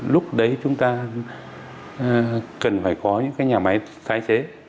lúc đấy chúng ta cần phải có những cái nhà máy tái chế